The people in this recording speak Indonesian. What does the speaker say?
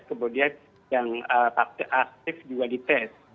kemudian yang aktif juga di tes